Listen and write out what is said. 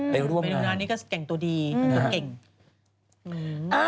ไปร่วมนานนี้ก็เก่งตัวดี